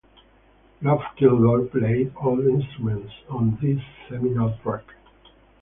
Rob Kilgore played all the instruments on this seminal track.